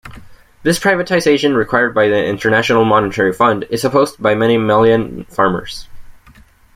This privatization, required by the International Monetary Fund is opposed by many Malian farmers.